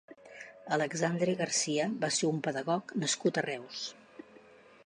Alexandre Garcia va ser un pedagog nascut a Reus.